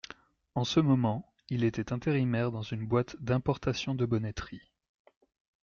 En ce moment, il était intérimaire dans une boîte d’importation de bonneterie.